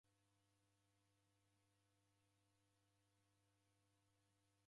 Navae w'eke mao w'ose w'aw'i.